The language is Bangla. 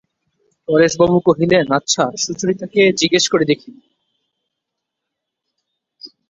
পরেশবাবু কহিলেন, আচ্ছা, সুচরিতাকে জিজ্ঞাসা করে দেখি।